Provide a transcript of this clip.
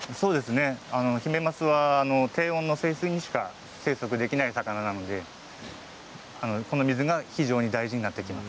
ヒメマスは低温の川の水にしか生息できない魚なのでこの水が大切になってきます。